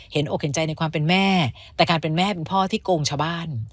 อกเห็นใจในความเป็นแม่แต่การเป็นแม่เป็นพ่อที่โกงชาวบ้าน